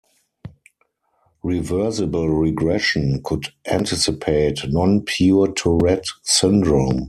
"Reversible" regression could anticipate non-pure Tourette syndrome.